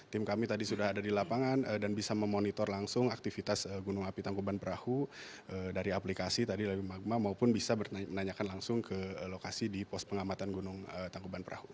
tim kami tadi sudah ada di lapangan dan bisa memonitor langsung aktivitas gunung api tangkuban perahu dari aplikasi tadi dari magma maupun bisa menanyakan langsung ke lokasi di pos pengamatan gunung tangkuban perahu